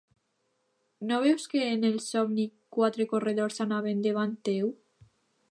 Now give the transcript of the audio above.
No veus que en el somni quatre corredors anaven davant teu?